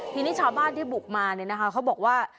ทีนี้ชาวบ้านที่บุกมาเขาบอกว่า